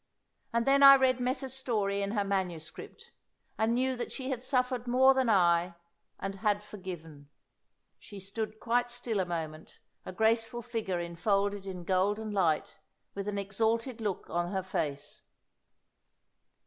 And then I read Meta's story in her manuscript, and knew that she had suffered more than I, and had forgiven." She stood quite still a moment, a graceful figure enfolded in golden light, with an exalted look on her face.